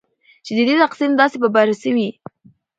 چې ددې تقسیم داسي په بره سویدي